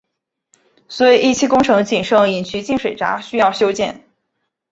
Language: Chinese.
所以一期工程仅剩引渠进水闸需要修建。